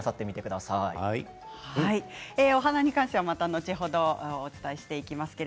お花に関してはまた後ほどお伝えしてまいります。